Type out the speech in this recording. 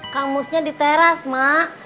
kamusnya di teras mah